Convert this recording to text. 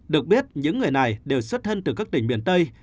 được biết những người này đều xuất thân từ các tỉnh miền tây